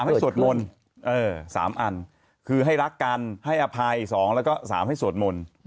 อันนี้สามให้สวดมนต์เออสามอันคือให้รักกันให้อภัยสองแล้วก็สามให้สวดมนต์